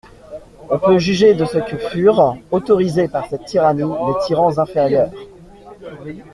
On peut juger de ce que furent (autorisés par cette tyrannie) les tyrans inférieurs.